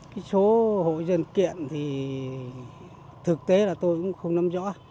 cái số hộ dân kiện thì thực tế là tôi cũng không nắm rõ